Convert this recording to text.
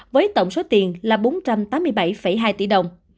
với tổng số tiền là bốn trăm tám mươi bảy hai tỷ đồng